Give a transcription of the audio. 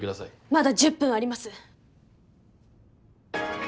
まだ１０分あります。